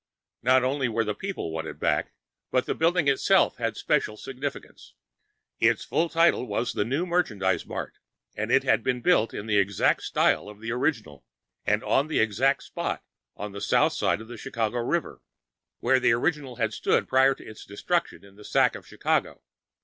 Not only were the people wanted back, but the building itself had a special significance. Its full title was "The New Merchandise Mart" and it had been built in the exact style of the original and on the exact spot on the south side of the Chicago River where the original had stood prior to its destruction in the Sack of Chicago.